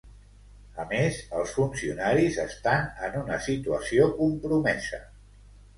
A més, els funcionaris estan en una situació compromesa.